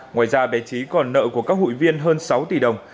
ngoài ra bé trí còn nợ của các hụi viên hơn sáu tỷ đồng